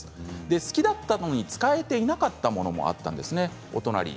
好きだったのに使えていなかったものもあったんです。